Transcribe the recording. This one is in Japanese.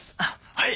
はい。